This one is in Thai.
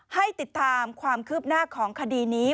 ให้ติดตามความคืบหน้าของคดีนี้